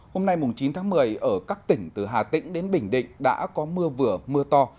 hôm nay chín tháng một mươi ở các tỉnh từ hà tĩnh đến bình định đã có mưa vừa mưa to